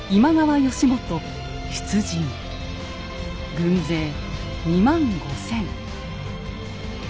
軍勢２万５，０００。